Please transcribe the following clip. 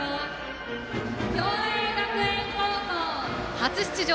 初出場。